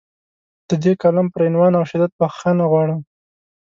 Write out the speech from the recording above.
د دې کالم پر عنوان او شدت بخښنه غواړم.